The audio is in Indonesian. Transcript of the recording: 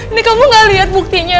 ini kamu gak lihat buktinya